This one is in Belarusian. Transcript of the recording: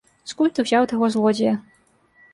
Скуль ты ўзяў таго злодзея?